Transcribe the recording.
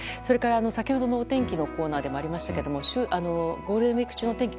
先ほどのお天気コーナーでもありましたがゴールデンウィーク中のお天気